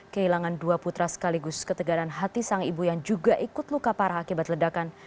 kehilangan dua putra sekaligus ketegangan hati sang ibu yang juga ikut luka parah akibat ledakan